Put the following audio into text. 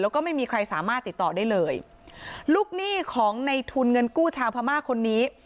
แล้วก็ไม่มีใครสามารถติดต่อได้เลยลูกหนี้ของในทุนเงินกู้ชาวพม่าคนนี้